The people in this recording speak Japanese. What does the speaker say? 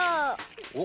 おっ。